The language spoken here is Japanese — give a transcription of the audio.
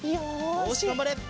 よしがんばれ！